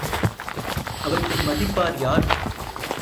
அவற்றை மதிப்பார் யார்?